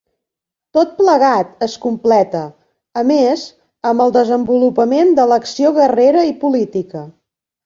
Tot plegat es completa, a més, amb el desenvolupament de l'acció guerrera i política.